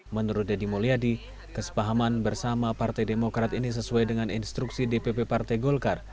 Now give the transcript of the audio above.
menurut deddy mulyadi kesepahaman bersama partai demokrat ini sesuai dengan instruksi dpp partai golkar